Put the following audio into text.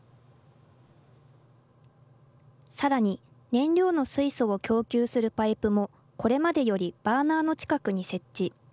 さらに、燃料の水素を供給するパイプも、これまでよりバーナーの近くに設置。